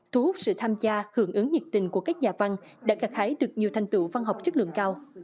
thu hút sự tham gia hưởng ứng nhiệt tình của các nhà văn đã gạt hái được nhiều thành tựu văn học chất lượng cao